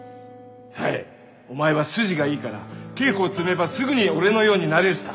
紗江お前は筋がいいから稽古を積めばすぐに俺のようになれるさ。